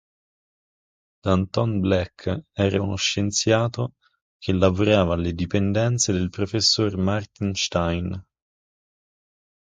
Danton Black era uno scienziato che lavorava alle dipendenze del professor Martin Stein.